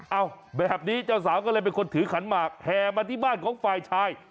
แบบนี้เจ้าสาวก็เลยเป็นคนถือขันหมากแห่มาที่บ้านของฝ่ายชาย